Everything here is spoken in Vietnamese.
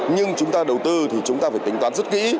nhưng chúng ta đầu tư thì chúng ta phải tính toán rất kỹ